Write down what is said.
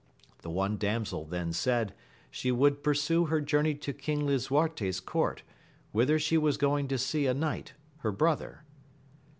The one damsel then said, she would pursue her journey to King Lisuarte's court, whither she was going to see a knight, her brother.